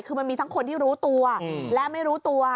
คือมันมีทั้งคนที่รู้ตัวและไม่รู้ตัว